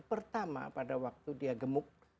pertama pada waktu dia gemuk